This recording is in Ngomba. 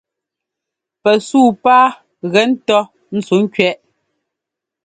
Pɛ suu pá gɛ ńtɔ́ ntsuŋkẅɛʼ.